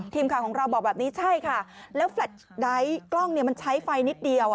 ทีมข่าวของเราบอกแบบนี้ใช่ค่ะแล้วแลตไดท์กล้องเนี่ยมันใช้ไฟนิดเดียว